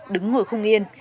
đứng ngồi không yên